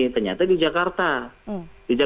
ternyata di jakarta